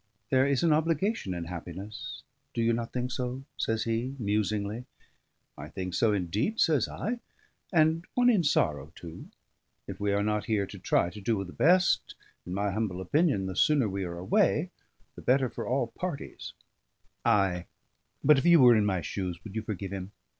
"There is an obligation in happiness do you not think so?" says he musingly. "I think so indeed," says I, "and one in sorrow too. If we are not here to try to do the best, in my humble opinion the sooner we are away the better for all parties." "Ay, but if you were in my shoes, would you forgive him?"